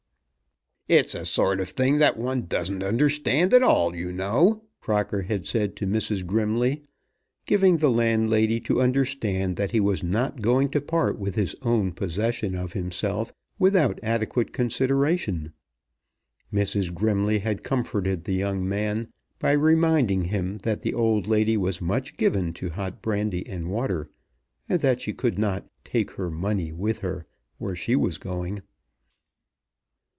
"It's a sort of thing that one doesn't understand at all, you know," Crocker had said to Mrs. Grimley, giving the landlady to understand that he was not going to part with his own possession of himself without adequate consideration. Mrs. Grimley had comforted the young man by reminding him that the old lady was much given to hot brandy and water, and that she could not "take her money with her where she was going."